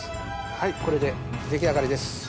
はいこれで出来上がりです。